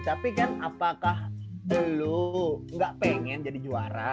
tapi kan apakah lu ga pengen jadi juara